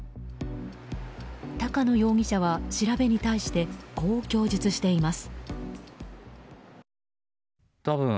高野容疑者は調べに対してこう供述しています。